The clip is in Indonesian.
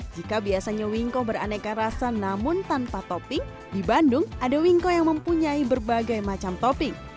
jika biasanya wingko beraneka rasa namun tanpa topping di bandung ada wingko yang mempunyai berbagai macam topping